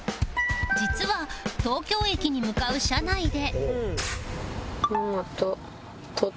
実は東京駅に向かう車内で